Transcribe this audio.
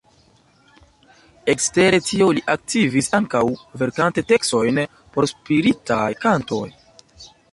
Ekster tio li aktivis ankaŭ verkante tekstojn por spiritaj kantoj.